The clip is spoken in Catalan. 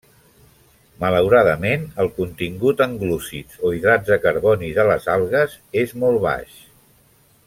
Malauradament el contingut en glúcids o hidrats de carboni de les algues és molt baix.